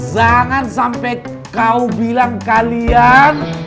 jangan sampai kau bilang kalian